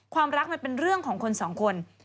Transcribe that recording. ความรักมันเป็นเรื่องของคนสองคน